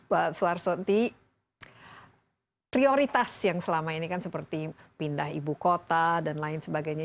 pak suarsoti prioritas yang selama ini kan seperti pindah ibu kota dan lain sebagainya